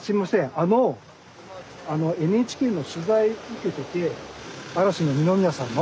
あのあのＮＨＫの取材受けてて嵐の二宮さんの。